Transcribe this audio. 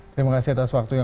terima kasih atas waktunya